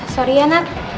sorry ya nat